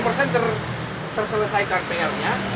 sekarang itu sudah lima puluh terselesaikan pr nya